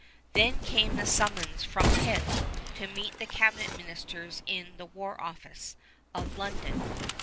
Then came the summons from Pitt to meet the cabinet ministers in the war office of London.